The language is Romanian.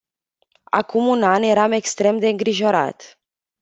Acum un an eram extrem de îngrijorat.